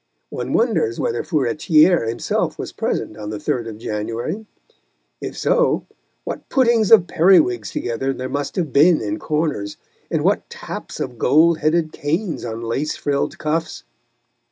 One wonders whether Furetière himself was present on the 3rd of January; if so, what puttings of periwigs together there must have been in corners, and what taps of gold headed canes on lace frilled cuffs!